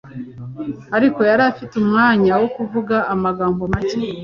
ariko yari afite umwanya wo kuvuga amagambo make